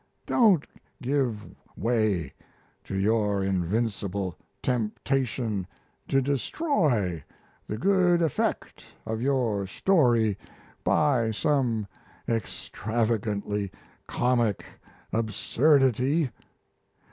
Don't give way to your invincible temptation to destroy the good effect of your story by some extravagantly comic absurdity.